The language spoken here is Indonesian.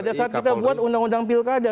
pada saat kita buat undang undang pilkada